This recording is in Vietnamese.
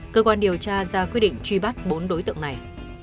cơ quan điều tra ra quyết định truy bắt bốn đối tượng này